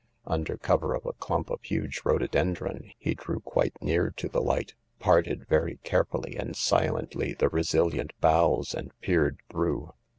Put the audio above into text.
Under cover of a clump of huge rhododendron he drew quite near to the light, parted very carefully and silently the resilient boughs and peered through.